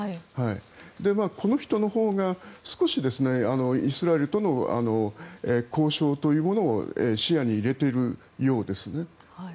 この人のほうが少しイスラエルとの交渉というものを視野に入れているようですね。